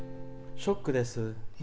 ショックです。